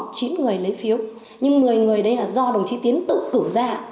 có chín người lấy phiếu nhưng một mươi người đấy là do đồng chí tiến tự cử ra